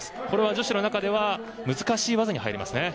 これは女子の中では難しい技に入ります。